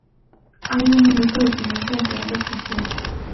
Hay un minuto de silencio entre ambas canciones.